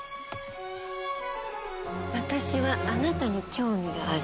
私はあなたに興味がある。